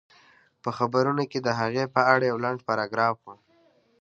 په خبرونو کې د هغې په اړه يو لنډ پاراګراف و